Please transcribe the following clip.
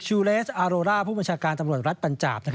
ูเลสอาโรร่าผู้บัญชาการตำรวจรัฐปัญจาบ